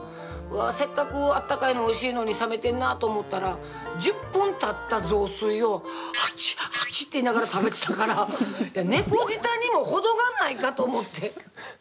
せっかく温かいのおいしいのに冷めてんなと思ったら１０分たった雑炊をアチッ、アチッて言いながら食べたから、猫舌にも程がないかと思って。